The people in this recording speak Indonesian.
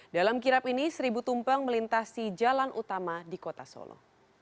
dalam kirap ini seribu tumpeng melintasi jalan utama di kota solo